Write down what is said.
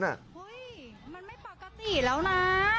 เฮ้ยมันไม่ปกติแล้วนะ